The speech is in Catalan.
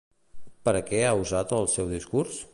Per a què ha usat el seu discurs?